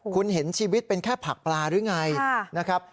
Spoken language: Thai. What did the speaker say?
คุณเห็นชีวิตเป็นแค่ผักปลาหรือไงนะครับ